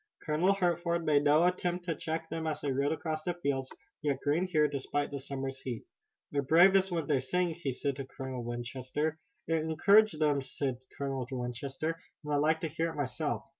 Colonel Hertford made no attempt to check them as they rode across the fields, yet green here, despite the summer's heat. "They're bravest when they sing," he said to Colonel Winchester. "It encourages them," said Colonel Winchester, "and I like to hear it myself.